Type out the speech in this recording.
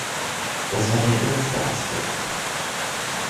Das war der erste Aspekt.